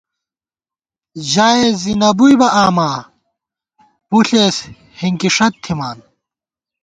ژائېس زی نہ بُوئی بہ آما، پݪېس ہِنکیݭَت تِھمان